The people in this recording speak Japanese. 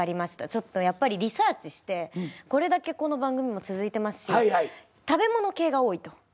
ちょっとリサーチしてこれだけこの番組続いてますし食べ物系が多いと。